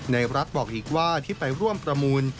ในรัฐบอกอีกว่าที่ไปร่วมประมูล